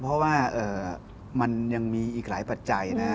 เพราะว่ามันยังมีอีกหลายปัจจัยนะ